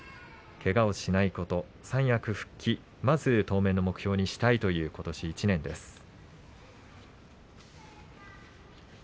けがをしないこと、三役復帰をまず当面のことしの目標にしたいという霧馬山です。